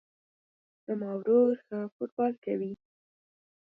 زما ورور ښه فوټبال کوی